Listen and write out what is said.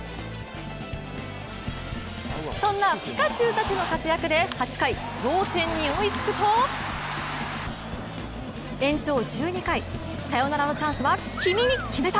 そんなピカチュウたちの活躍で８回、同点に追いつくと延長１２回、サヨナラのチャンスは君に決めた！